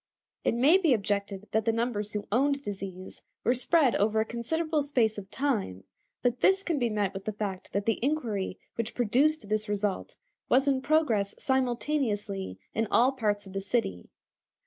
It may be objected that the numbers who owned disease were spread over a considerable space of time, but this can be met with the fact that the inquiry which produced this result was in progress simultaneously in all parts of the city.